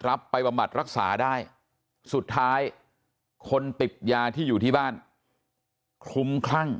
ไปบำบัดรักษาได้สุดท้ายคนติดยาที่อยู่ที่บ้านคลุมคลั่ง